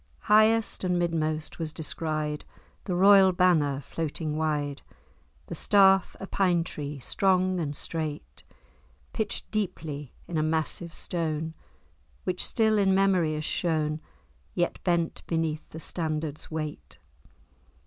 Highest and midmost, was descried The royal banner floating wide; The staff, a pine tree, strong and straight, Pitch'd deeply in a massive stone, Which still in memory is shown, Yet bent beneath the standard's weight.